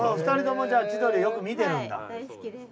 ２人ともじゃあ千鳥よく見てるんだ。